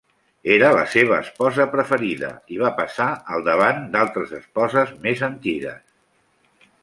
Era la seva esposa preferida i va passar al davant d'altres esposes més antigues.